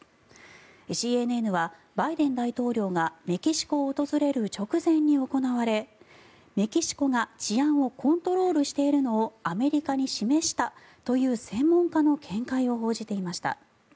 ＣＮＮはバイデン大統領がメキシコを訪れる直前に行われメキシコが治安をコントロールしているのをアメリカに示したという専門家の見解を報じていました。